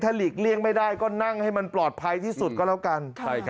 หลีกเลี่ยงไม่ได้ก็นั่งให้มันปลอดภัยที่สุดก็แล้วกัน